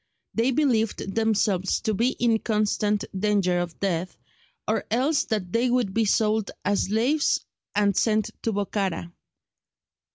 They believed themselves to be in constant danger of death, or else that they would be sold as slaves and sent to Bokhara.